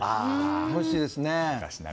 おいしいですね。